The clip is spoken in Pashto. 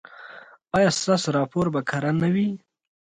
ایا ستاسو راپور به کره نه وي؟